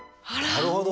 なるほど。